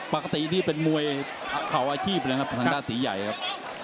ปกตินี่เป็นมวยเข่าอาชีพเลยครับทางด้านตีใหญ่ครับ